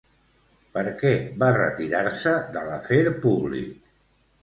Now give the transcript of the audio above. Per què va retirar-se de l'afer públic?